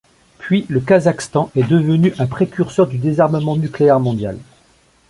Puis le Kazakhstan est devenu un précurseur du Désarmement nucléaire mondial.